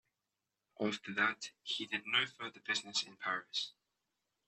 After that, he did no further business in Paris.